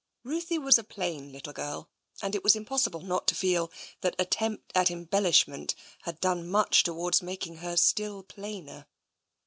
Ruthie was a plain little girl, and it was impossible not to feel that attempt at embellishment had done much towards making her still plainer.